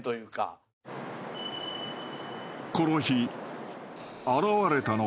［この日］